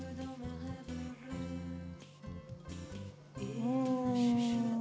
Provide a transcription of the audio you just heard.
うん。